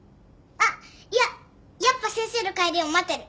あっいややっぱ先生の帰りを待ってる。